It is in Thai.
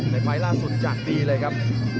ในไฟล่าสุดจากตีเลยครับ